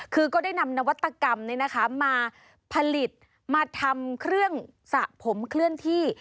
คือก็ได้นำนวัตกรรมมาผลิตมาทำเครื่องสระผมเคลื่อนที่